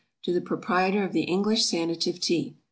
To the Proprietor of the English Sanative TEA.